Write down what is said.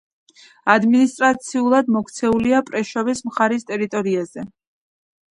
ადმინისტრაციულად მოქცეულია პრეშოვის მხარის ტერიტორიაზე.